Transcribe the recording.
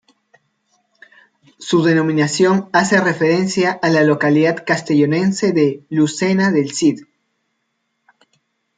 Su denominación hace referencia a la localidad castellonense de "Lucena del Cid".